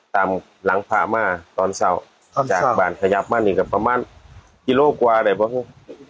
ตามหลังพระม่าตอนเศร้าครับจากบ้านขยับมานี่กับประมาณกิโลกว่าได้บ้าง